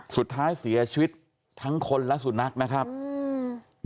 สุดท้ายเสียชีวิตทั้งคนและสุนัขนะครับอืม